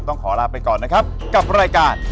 ต้องขอลาไปก่อนนะครับกับรายการ